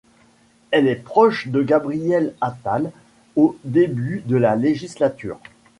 Elle est proche de Gabriel Attal au début de la législature.